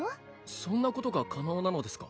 そんなことが可能なのですか？